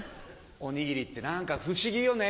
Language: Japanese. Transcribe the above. おにぎりって何か不思議よね。